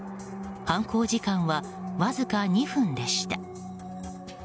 犯行時間は、わずか２分でした。